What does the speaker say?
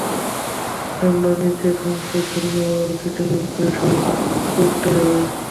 চামড়ার নিচে খামচে ধরবে ওর, খিঁচুনি উঠবে, শরীর কুঁকড়ে যাবে।